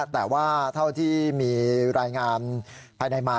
แต่ว่าเท่าที่มีรายงานภายในมา